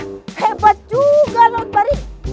wah hebat juga lo t'bary